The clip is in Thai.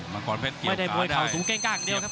ไม่ได้มวยเขาสูงเกล้งกล้างเดียวครับ